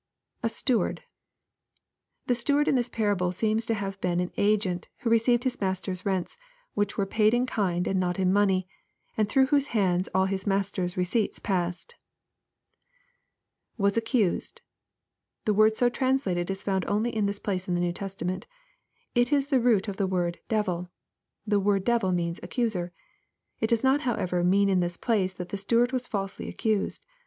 [A steward.'] The steward in this parable seems to have been an agent, who received his master's rents, which were paid in kind and not. in money, and through whose hands all his master's re ceipts passed. [ Was accttsed.] The word so translated is only found in this place in the New Testament. It is the root of the word " devil" The word devil means " accuser." It does not however mean in this place that the steward was falsely accused.